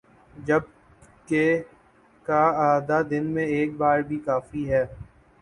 جبکہ کا اعادہ دن میں ایک بار بھی کافی ہے